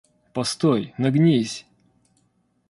Постой, нагнись!